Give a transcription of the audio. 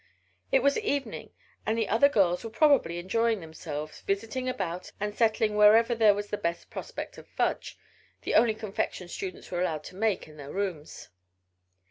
It was evening, and the other girls were probably enjoying themselves, visiting about and settling wherever there was the best prospect of fudge the only confection students were allowed to make in their rooms.